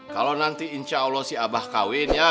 kalau nanti insya allah si abah kawin ya